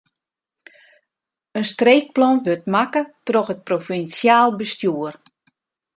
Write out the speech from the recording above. In streekplan wurdt makke troch it provinsjaal bestjoer.